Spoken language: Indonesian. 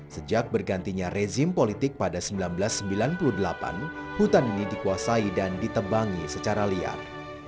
sejak bergantinya rezim politik pada seribu sembilan ratus sembilan puluh delapan hutan ini dikuasai dan ditebangi secara liar